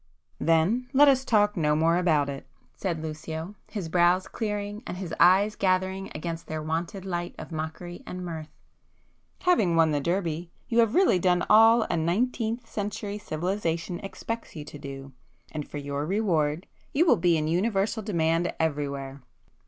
'" "Then let us talk no more about it,"—said Lucio, his brows clearing, and his eyes gathering again their wonted light of mockery and mirth—"Having won the Derby, you have really done all a nineteenth century civilization expects you to do, and for your reward, you will be in universal demand everywhere.